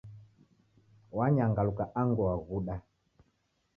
Wanyangaluka angu waghuda.